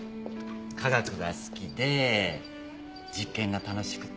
科学が好きで実験が楽しくて。